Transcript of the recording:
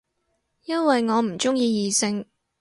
因為我唔鍾意異性